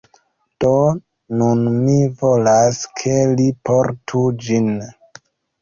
Do nun mi volas, ke li portu ĝin.